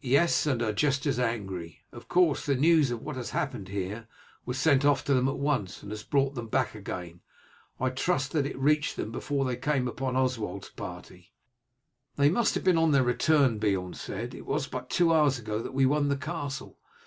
"Yes, and are just as angry. Of course, the news of what has happened here was sent off to them at once, and has brought them back again. I trust that it reached them before they came upon Oswald's party." "They must have been on their return," Beorn said. "It was but two hours ago that we won the castle.